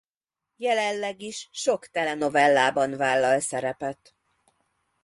Jelenleg is sok telenovellában vállal szerepet.